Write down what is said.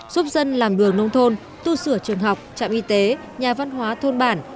giúp dân làm đường nông thôn tu sửa trường học trạm y tế nhà văn hóa thôn bản